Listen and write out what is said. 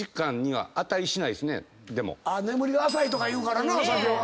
眠りが浅いとかいうからな酒は。